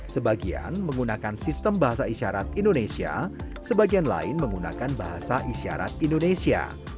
sebagian menggunakan sistem bahasa isyarat indonesia sebagian lain menggunakan bahasa isyarat indonesia